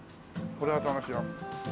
これは楽しいよ。